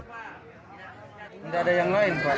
tidak ada yang lain